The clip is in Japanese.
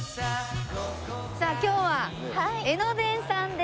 さあ今日は江ノ電さんです。